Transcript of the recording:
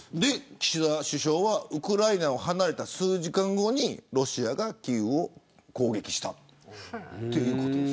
岸田首相がウクライナを離れた数時間後にロシアがキーウを攻撃した。